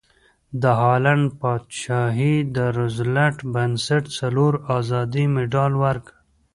د هالنډ پادشاهي د روزولټ بنسټ څلور ازادۍ مډال ورکړ.